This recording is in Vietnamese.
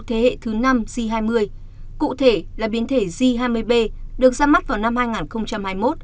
thế hệ thứ năm g hai mươi cụ thể là biến thể g hai mươi b được ra mắt vào năm hai nghìn hai mươi một